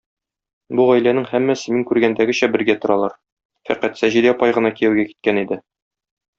Бу гаиләнең һәммәсе мин күргәндәгечә бергә торалар, фәкать Саҗидә апай гына кияүгә киткән иде.